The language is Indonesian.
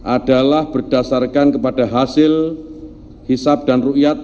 adalah berdasarkan kepada hasil hisab dan ru iyat